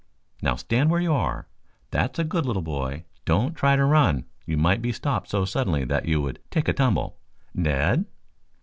"Now stand where you are, that's a good little boy. Don't try to run. You might be stopped so suddenly that you would take a tumble. Ned!"